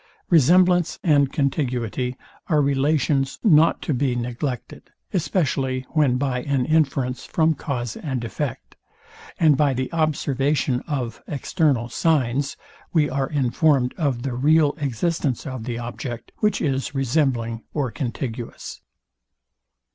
Resemblance and contiguity are relations not to be neglected; especially when by an inference from cause and effect, and by the observation of external signs, we are informed of the real existence of the object, which is resembling or contiguous.